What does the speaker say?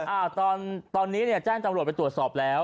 เออตอนนี้แจ้งตำรวจไปตรวจสอบแล้ว